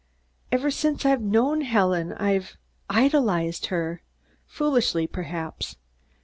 Ever since I've known Helen I've idolized her foolishly, perhaps.